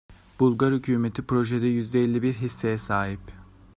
Bulgar hükümeti projede Q hisseye sahip.